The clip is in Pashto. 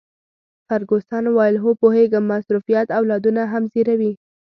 فرګوسن وویل: هو، پوهیږم، مصروفیت اولادونه هم زیږوي.